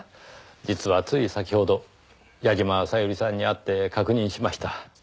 実はつい先ほど矢嶋小百合さんに会って確認しました。